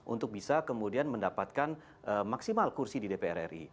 untuk bisa kemudian mendapatkan maksimal kursi di dpr ri